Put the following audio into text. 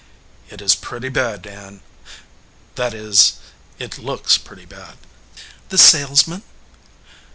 "It is pretty bad, Ann. That is, it looks pretty bad." "The salesman?"